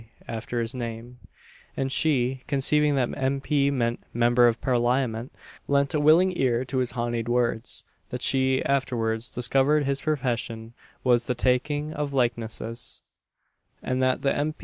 after his name: and she, conceiving that M. P. meant "Member of Parliament," lent a willing ear to his honied words. That she afterwards discovered his profession was the taking of likenesses, and that the M.